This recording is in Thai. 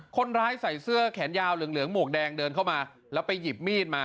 คนร้ายใส่เสื้อแขนยาวเหลืองหมวกแดงเดินเข้ามาแล้วไปหยิบมีดมา